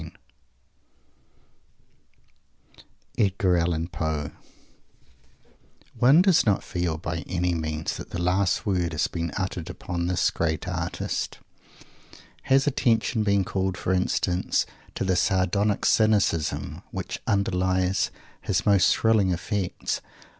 _ EDGAR ALLEN POE One does not feel, by any means, that the last word has been uttered upon this great artist. Has attention been called, for instance, to the sardonic cynicism which underlies his most thrilling effects?